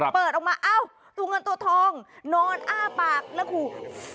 เปิดออกมาอ้าวตัวเงินตัวทองนอนอ้าปากแล้วขู่